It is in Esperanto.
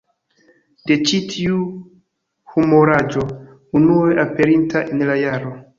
De ĉi tiu humoraĵo, unue aperinta en la jaro